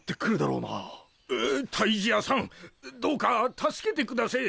うう退治屋さんどうか助けてくだせえ。